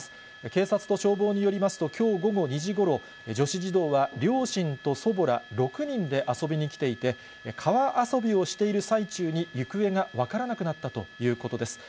警察と消防によりますと、きょう午後２時ごろ、女子児童は、両親と祖母ら、６人で遊びに来ていて、川遊びをしている最中に行方が分からなくなったということです。